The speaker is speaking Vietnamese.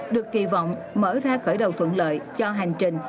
được kỳ vọng mở ra khởi đầu thuận lợi cho hành trình